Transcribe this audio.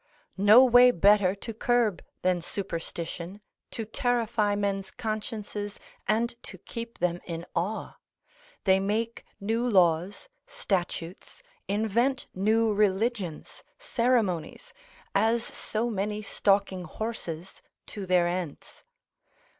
No way better to curb than superstition, to terrify men's consciences, and to keep them in awe: they make new laws, statutes, invent new religions, ceremonies, as so many stalking horses, to their ends.